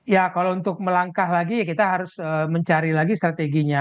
ya kalau untuk melangkah lagi ya kita harus mencari lagi strateginya